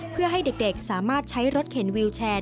เพื่อให้เด็กสามารถใช้รถเข็นวิวแชร์